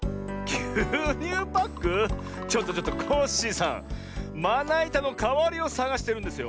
ちょっとちょっとコッシーさんまないたのかわりをさがしてるんですよ。